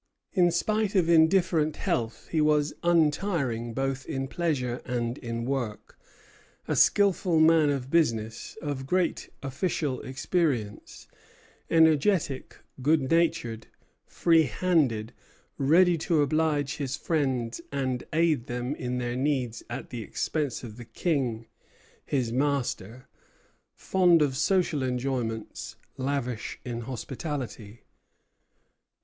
In spite of indifferent health, he was untiring both in pleasure and in work, a skilful man of business, of great official experience, energetic, good natured, free handed, ready to oblige his friends and aid them in their needs at the expense of the King, his master; fond of social enjoyments, lavish in hospitality.